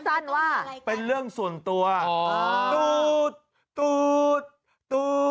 การนอนไม่จำเป็นต้องมีอะไรกัน